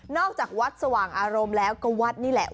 จากวัดสว่างอารมณ์แล้วก็วัดนี่แหละ